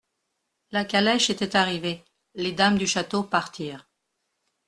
La calèche était arrivée ; les dames du château partirent.